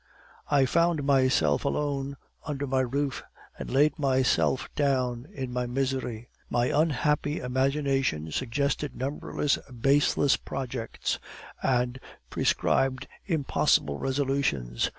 "I found myself alone under my roof, and laid myself down in my misery. My unhappy imagination suggested numberless baseless projects, and prescribed impossible resolutions.